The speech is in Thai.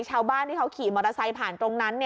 ชาวบ้านที่เขาขี่มอเตอร์ไซค์ผ่านตรงนั้น